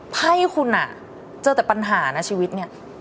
ไพ่คุณเจอแต่ปัญหานะชีวิตเนี่ย